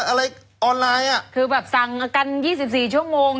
อะไรออนไลน์อ่ะคือแบบสั่งกัน๒๔ชั่วโมง